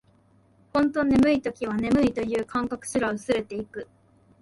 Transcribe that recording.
ほんと眠い時は、眠いという感覚すら薄れていく